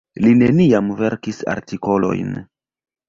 Li neniam verkis artikolojn.